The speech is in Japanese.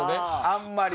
あんまり。